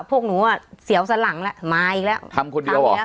พวกหนูอ่ะเสียวสันหลังแล้วมาอีกแล้วทำคนเดียวหรอ